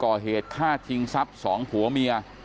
ก่อเหตุฆ่าชิงทรัพย์สองผัวเมีย